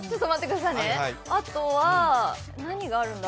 あとは何があるんだ？